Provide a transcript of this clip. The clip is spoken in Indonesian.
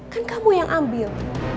kan kamu yang ambil